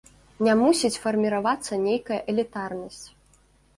Не мусіць фарміравацца нейкая элітарнасць.